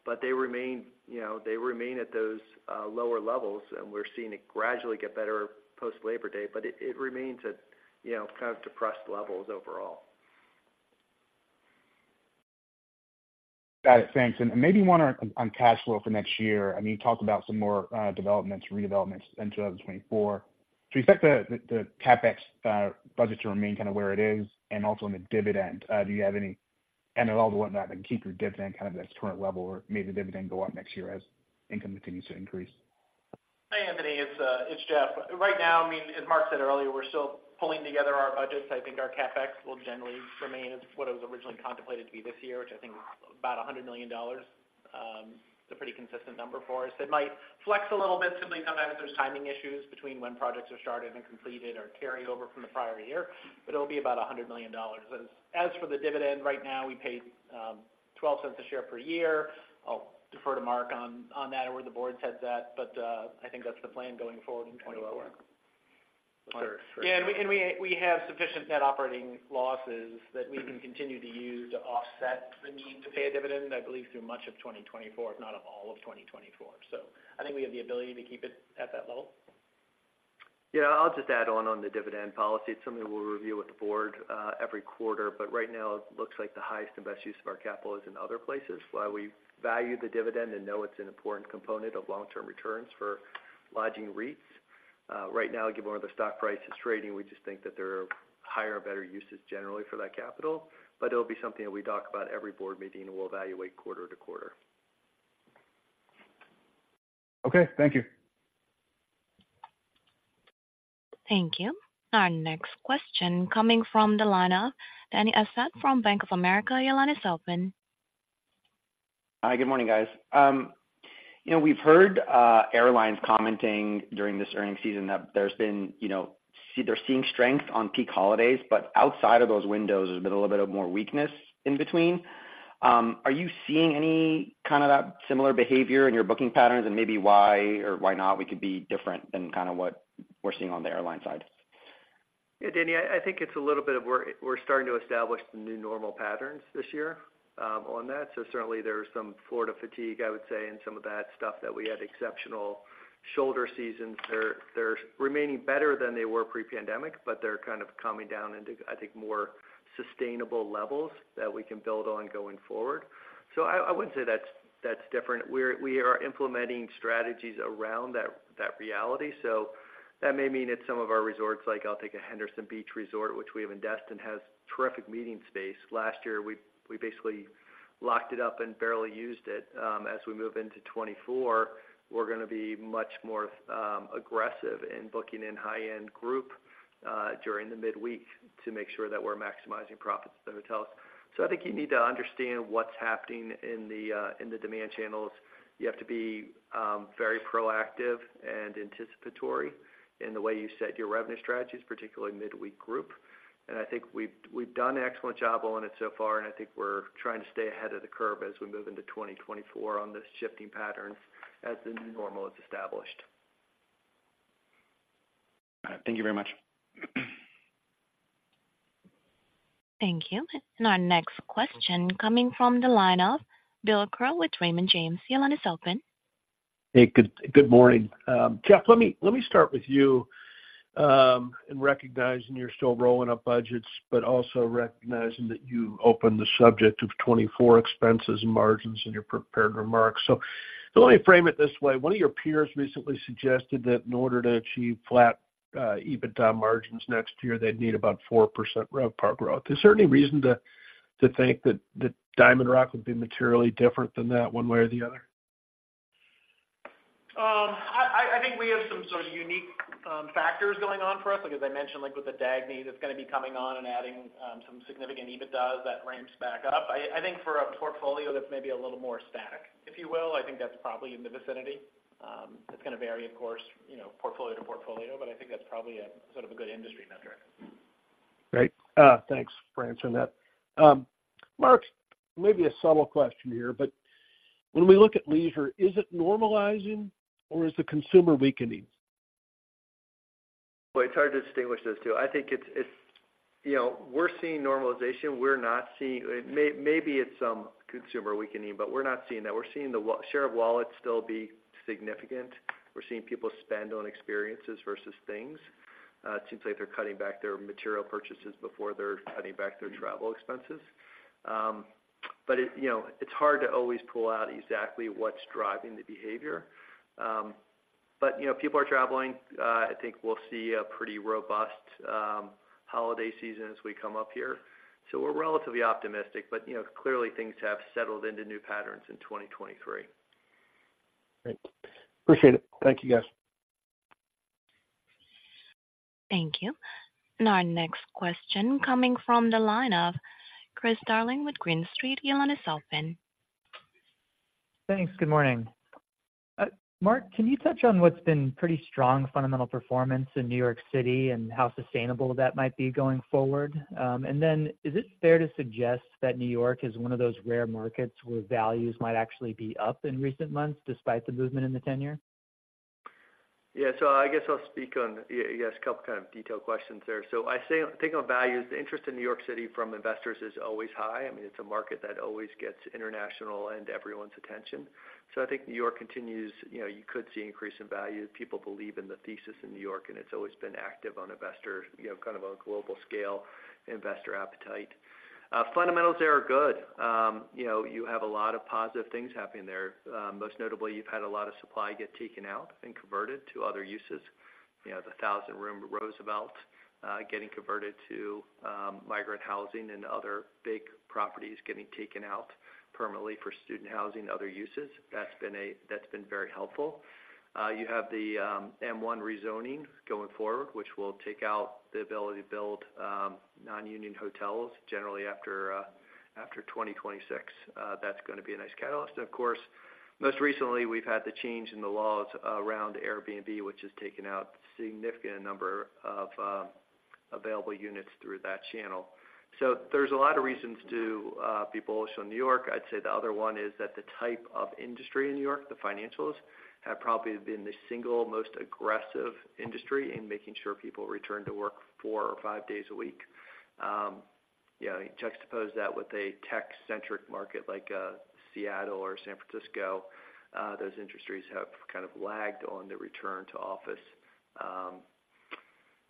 but they remain, you know, they remain at those lower levels, and we're seeing it gradually get better post-Labor Day, but it remains at, you know, kind of depressed levels overall. ... Got it. Thanks. And maybe one on cash flow for next year. I mean, you talked about some more developments, redevelopments in 2024. Do you expect the CapEx budget to remain kind of where it is? And also on the dividend, do you have any NOL and whatnot, and keep your dividend kind of at its current level, or maybe the dividend go up next year as income continues to increase? Hi, Anthony, it's Jeff. Right now, I mean, as Mark said earlier, we're still pulling together our budgets. I think our CapEx will generally remain as what it was originally contemplated to be this year, which I think is about $100 million. It's a pretty consistent number for us. It might flex a little bit, simply sometimes there's timing issues between when projects are started and completed or carry over from the prior year, but it'll be about $100 million. As for the dividend, right now, we pay $0.12 per share per year. I'll defer to Mark on that or where the board sets that, but I think that's the plan going forward in 2024. Sure. Yeah, we have sufficient net operating losses that we can continue to use to offset the need to pay a dividend, I believe, through much of 2024, if not all of 2024. So I think we have the ability to keep it at that level. Yeah, I'll just add on to the dividend policy. It's something we'll review with the board every quarter, but right now it looks like the highest and best use of our capital is in other places. While we value the dividend and know it's an important component of long-term returns for lodging REITs, right now, given where the stock price is trading, we just think that there are higher and better uses generally for that capital. But it'll be something that we talk about every board meeting, and we'll evaluate quarter to quarter. Okay. Thank you. Thank you. Our next question coming from the line of Dany Ismail from Bank of America. Your line is open. Hi, good morning, guys. You know, we've heard airlines commenting during this earnings season that there's been, you know, they're seeing strength on peak holidays, but outside of those windows, there's been a little bit of more weakness in between. Are you seeing any kind of that similar behavior in your booking patterns, and maybe why or why not we could be different than kind of what we're seeing on the airline side? Yeah, Danny, I think it's a little bit of we're starting to establish the new normal patterns this year, on that. So certainly, there's some Florida fatigue, I would say, and some of that stuff that we had exceptional shoulder seasons. They're remaining better than they were pre-pandemic, but they're kind of calming down into, I think, more sustainable levels that we can build on going forward. So I wouldn't say that's different. We are implementing strategies around that reality. So that may mean at some of our resorts, like I'll take a Henderson Beach Resort, which we have in Destin, has terrific meeting space. Last year, we basically locked it up and barely used it. As we move into 2024, we're gonna be much more aggressive in booking in high-end group during the midweek to make sure that we're maximizing profits at the hotels. So I think you need to understand what's happening in the in the demand channels. You have to be very proactive and anticipatory in the way you set your revenue strategies, particularly midweek group. And I think we've, we've done an excellent job on it so far, and I think we're trying to stay ahead of the curve as we move into 2024 on this shifting patterns as the new normal is established. Thank you very much. Thank you. Our next question coming from the line of Bill Crow with Raymond James. Your line is open. Hey, good, good morning. Jeff, let me, let me start with you, in recognizing you're still rolling up budgets, but also recognizing that you opened the subject of 2024 expenses and margins in your prepared remarks. So let me frame it this way: One of your peers recently suggested that in order to achieve flat EBITDA margins next year, they'd need about 4% RevPAR growth. Is there any reason to, to think that, that DiamondRock would be materially different than that, one way or the other? I think we have some sort of unique factors going on for us, like as I mentioned, like with the Dagny, that's gonna be coming on and adding some significant EBITDAs, that ramps back up. I think for a portfolio that's maybe a little more static, if you will, I think that's probably in the vicinity. It's gonna vary, of course, you know, portfolio to portfolio, but I think that's probably a sort of a good industry metric. Great. Thanks for answering that. Mark, maybe a subtle question here, but when we look at leisure, is it normalizing or is the consumer weakening? Well, it's hard to distinguish those two. I think it's, you know, we're seeing normalization. We're not seeing... maybe it's some consumer weakening, but we're not seeing that. We're seeing the share of wallet still be significant. We're seeing people spend on experiences versus things. It seems like they're cutting back their material purchases before they're cutting back their travel expenses. But it, you know, it's hard to always pull out exactly what's driving the behavior. But, you know, people are traveling. I think we'll see a pretty robust holiday season as we come up here. So we're relatively optimistic, but, you know, clearly things have settled into new patterns in 2023. Great. Appreciate it. Thank you, guys. Thank you. Our next question coming from the line of Chris Darling with Green Street. Your line is open. Thanks. Good morning. Mark, can you touch on what's been pretty strong fundamental performance in New York City and how sustainable that might be going forward? And then is it fair to suggest that New York is one of those rare markets where values might actually be up in recent months, despite the movement in the 10-year? Yeah, so I guess I'll speak on, yeah, I guess, a couple kind of detailed questions there. So I say, think about values, the interest in New York City from investors is always high. I mean, it's a market that always gets international and everyone's attention. So I think New York continues, you know, you could see increase in value. People believe in the thesis in New York, and it's always been active on investor, you know, kind of on a global scale, investor appetite. Fundamentals there are good. You know, you have a lot of positive things happening there. Most notably, you've had a lot of supply get taken out and converted to other uses. You have the 1,000-room Roosevelt, getting converted to, migrant housing and other big properties getting taken out permanently for student housing and other uses. That's been very helpful. You have the M1 rezoning going forward, which will take out the ability to build non-union hotels generally after 2026. That's gonna be a nice catalyst. And of course, most recently, we've had the change in the laws around Airbnb, which has taken out a significant number of available units through that channel. So there's a lot of reasons to be bullish on New York. I'd say the other one is that the type of industry in New York, the financials, have probably been the single most aggressive industry in making sure people return to work four or five days a week. Yeah, juxtapose that with a tech-centric market like Seattle or San Francisco. Those industries have kind of lagged on the return to office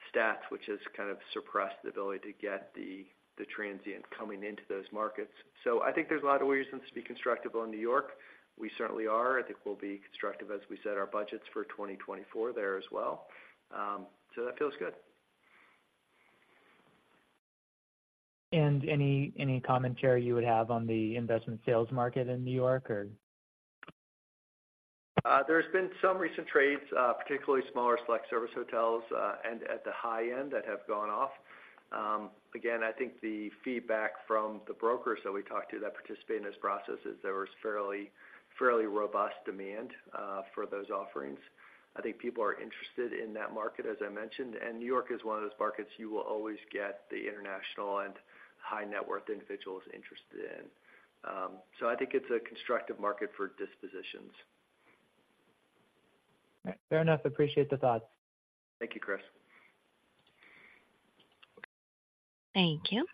stats, which has kind of suppressed the ability to get the, the transient coming into those markets. So I think there's a lot of reasons to be constructive on New York. We certainly are. I think we'll be constructive as we set our budgets for 2024 there as well. So that feels good. Any commentary you would have on the investment sales market in New York, or? There's been some recent trades, particularly smaller select service hotels, and at the high end, that have gone off. Again, I think the feedback from the brokers that we talked to that participate in this process is there was fairly, fairly robust demand for those offerings. I think people are interested in that market, as I mentioned, and New York is one of those markets you will always get the international and high net worth individuals interested in. So I think it's a constructive market for dispositions. Fair enough. Appreciate the thoughts. Thank you, Chris. Thank you.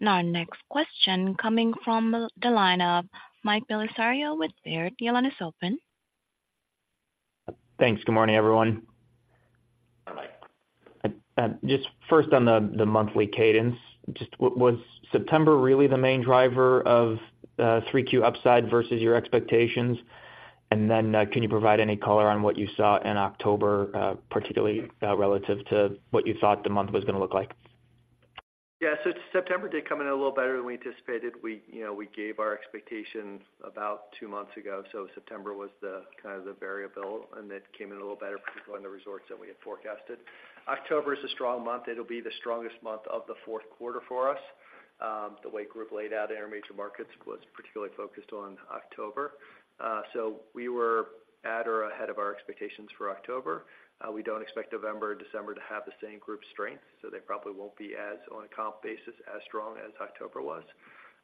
Now, our next question coming from the line of Mike Belisario with Baird. Your line is open. Thanks. Good morning, everyone. Hi, Mike. Just first on the monthly cadence, just was September really the main driver of 3Q upside versus your expectations? And then, can you provide any color on what you saw in October, particularly, relative to what you thought the month was gonna look like? Yeah, so September did come in a little better than we anticipated. We, you know, we gave our expectations about two months ago, so September was the, kind of the variable, and it came in a little better, particularly in the resorts than we had forecasted. October is a strong month. It'll be the strongest month of the fourth quarter for us. The way group laid out in our major markets was particularly focused on October. So we were at or ahead of our expectations for October. We don't expect November or December to have the same group strength, so they probably won't be as, on a comp basis, as strong as October was.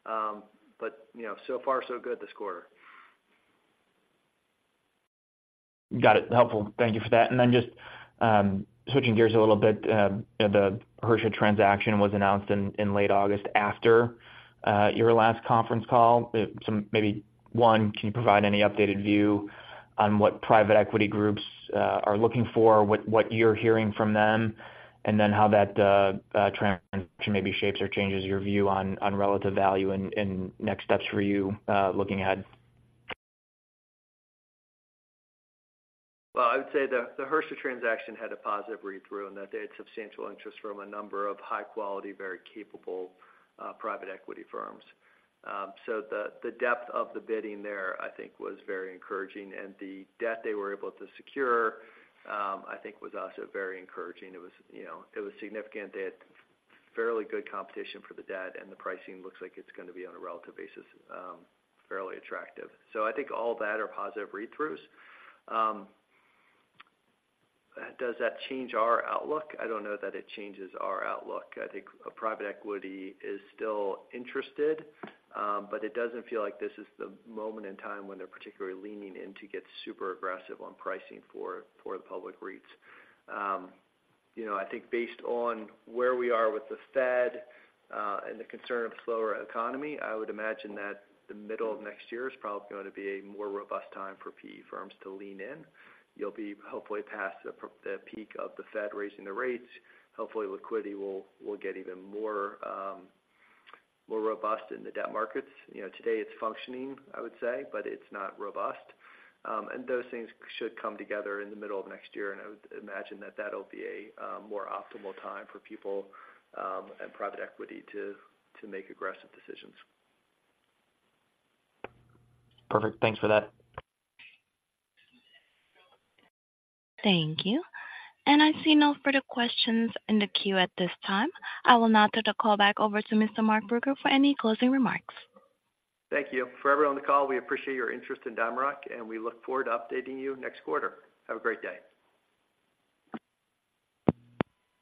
But, you know, so far so good this quarter. Got it. Helpful. Thank you for that. And then just switching gears a little bit, the Hersha transaction was announced in late August after your last conference call. Maybe one, can you provide any updated view on what private equity groups are looking for, what you're hearing from them, and then how that transaction maybe shapes or changes your view on relative value and next steps for you looking ahead? Well, I would say the Hersha transaction had a positive read-through in that they had substantial interest from a number of high quality, very capable, private equity firms. So the depth of the bidding there, I think, was very encouraging, and the debt they were able to secure, I think was also very encouraging. It was, you know, it was significant. They had fairly good competition for the debt, and the pricing looks like it's gonna be on a relative basis, fairly attractive. So I think all that are positive read-throughs. Does that change our outlook? I don't know that it changes our outlook. I think private equity is still interested, but it doesn't feel like this is the moment in time when they're particularly leaning in to get super aggressive on pricing for the public REITs. You know, I think based on where we are with the Fed, and the concern of a slower economy, I would imagine that the middle of next year is probably going to be a more robust time for PE firms to lean in. You'll be hopefully past the peak of the Fed raising the rates. Hopefully, liquidity will get even more robust in the debt markets. You know, today, it's functioning, I would say, but it's not robust. And those things should come together in the middle of next year, and I would imagine that that'll be a more optimal time for people and private equity to make aggressive decisions. Perfect. Thanks for that. Thank you. I see no further questions in the queue at this time. I will now turn the call back over to Mr. Mark Brugger for any closing remarks. Thank you. For everyone on the call, we appreciate your interest in DiamondRock, and we look forward to updating you next quarter. Have a great day.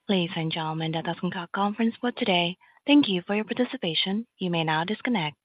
Ladies and gentlemen, that does conclude our conference call today. Thank you for your participation. You may now disconnect.